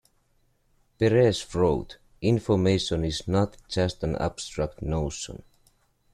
Peres wrote, Information is not just an abstract notion.